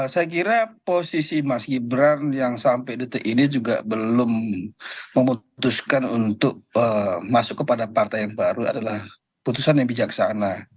saya kira posisi mas gibran yang sampai detik ini juga belum memutuskan untuk masuk kepada partai yang baru adalah putusan yang bijaksana